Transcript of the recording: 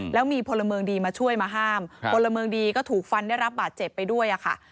แล้วมีพลเมืองดีมาช่วยมาห้ามพลเมืองดีก็ถูกฟันได้รับบาดเจ็บไปด้วยอะค่ะ